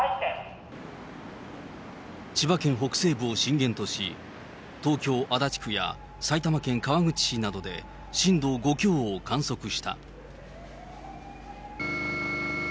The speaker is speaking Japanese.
千葉県北西部を震源とし、東京・足立区や埼玉県川口市などで震度５強を観測した。